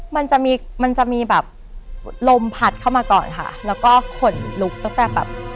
มันจะมีมันจะมีแบบลมพัดเข้ามาก่อนค่ะแล้วก็ขนลุกตั้งแต่แบบ